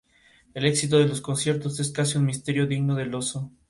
el éxito de los conciertos es casi un misterio digno de Del Oso